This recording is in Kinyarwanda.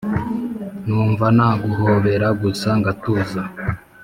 numva naguhobera gusa ngatuza